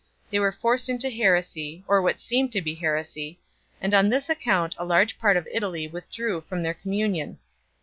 They were forced into heresy, or what seemed to be heresy, and on this account a large part of Italy withdrew from their communion.